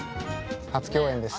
初共演です。